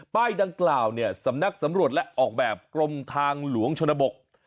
ดังกล่าวเนี่ยสำนักสำรวจและออกแบบกรมทางหลวงชนบท